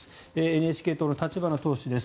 ＮＨＫ党の立花党首です。